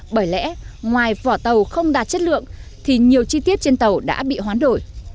bởi lẽ ngoài vỏ tàu không đạt chất lượng thì nhiều chi tiết trên tàu đã bị hoán đổi